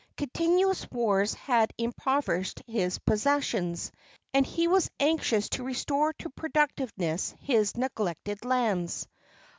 Continuous wars had impoverished his possessions, and he was anxious to restore to productiveness his neglected lands.